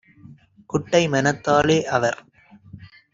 குட்டை மனத்தாலே - அவர்